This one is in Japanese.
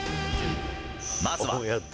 まずは。